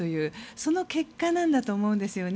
その結果なんだと思うんですね。